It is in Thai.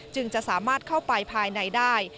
จึงจะสามารถเข้าไปภายในได้